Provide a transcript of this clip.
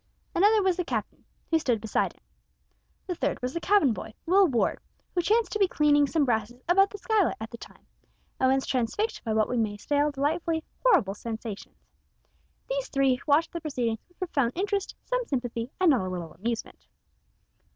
Another was the captain, who stood beside him. The third was the cabin boy, Will Ward, who chanced to be cleaning some brasses about the skylight at the time, and was transfixed by what we may style delightfully horrible sensations. These three watched the proceedings with profound interest, some sympathy, and not a little amusement.